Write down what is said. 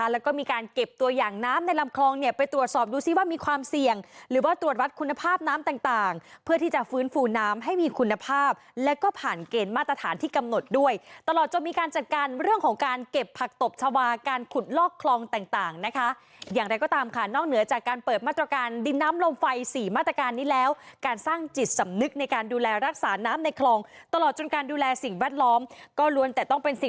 แล้วก็มีการเก็บตัวอย่างน้ำในลำคลองไปตรวจสอบดูซิว่ามีความเสี่ยงหรือว่าตรวจวัดคุณภาพน้ำต่างเพื่อที่จะฟื้นฟูน้ำให้มีคุณภาพแล้วก็ผ่านเกณฑ์มาตรฐานที่กำหนดด้วยตลอดจนมีการจัดการเรื่องของการเก็บผักตบทวาการขุดลอกคลองต่างนะคะอย่างไรก็ตามค่ะนอกเหนือจากการเปิดมาตรการดินน้ำลมไ